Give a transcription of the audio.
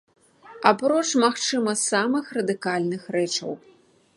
Апроч, магчыма, самых радыкальных рэчаў.